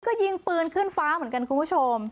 ก็ยิงปืนขึ้นฟ้าเหมือนกันคุณผู้ชม